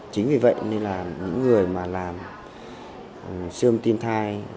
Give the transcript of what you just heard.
chính vì vậy nên là những người mà làm siêu tim thai